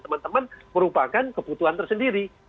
teman teman merupakan kebutuhan tersendiri